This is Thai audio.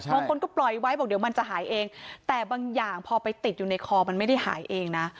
บางคนก็ปล่อยไว้บอกเดี๋ยวมันจะหายเองแต่บางอย่างพอไปติดอยู่ในคอมันไม่ได้หายเองนะ